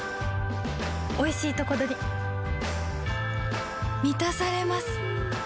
おいしいとこどりみたされます